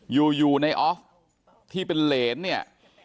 อยู่ในออฟที่เป็นเหรนเนี่ย